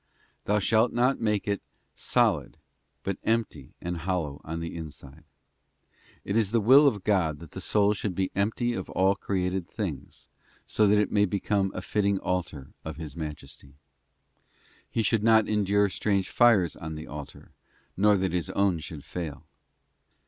'Thou shalt not make it solid, but empty and hollow in the inside.'* It is the will of God that the soul should be empty of all created things, so that it may become a fitting altar of His Majesty. He would not endure strange fires on the altar, nor that His own should fail.